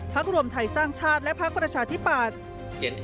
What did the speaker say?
รวมไทยสร้างชาติและพักประชาธิปัตย์